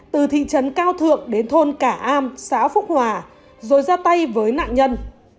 từ thị trấn cao thượng đến thôn cả am xã phúc hòa rồi ra tay với nạn nhân